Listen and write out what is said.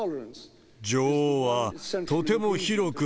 女王はとても広く、